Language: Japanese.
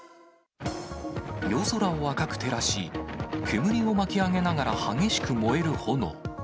夜空を赤く照らし、煙を巻き上げながら激しく燃える炎。